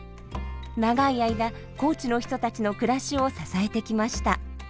長い間高知の人たちの暮らしを支えてきました。